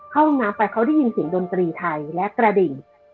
เข้าห้องน้ำไปเขาได้ยินเสียงดนตรีไทยและกระดิ่ง